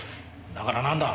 だからなんだ？